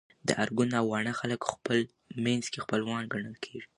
د ارګون او واڼه خلک خپل منځ کي خپلوان ګڼل کيږي